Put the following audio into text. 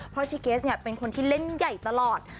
เพราะชีเกรสเป็นคนที่เล่นใหญ่ตลอด